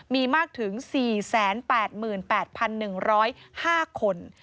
มีมากถึง๔๘๘๑๐๕คน